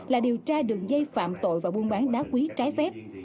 là điều tra đường dây phạm tội và buôn bán đá quý trái phép